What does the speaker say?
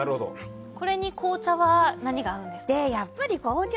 これに紅茶は何が合うんでしょうか。